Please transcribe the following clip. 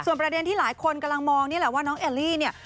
ประเด็นที่หลายคนกำลังมองนี่แหละว่าน้องแอลลี่เนี่ย